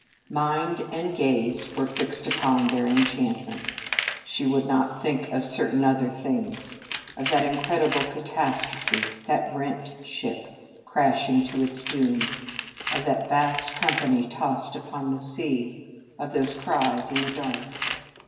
Mind and gaze were fixed upon their enchantment. She would not think of certain other things of that incredible catastrophe, that rent ship, crashing to its doom, of that vast company tossed upon the sea, of those cries in the dark.